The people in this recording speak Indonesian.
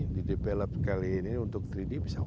di develop kali ini untuk tiga d bisa